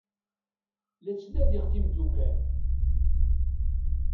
La ttnadiɣ timeddukal.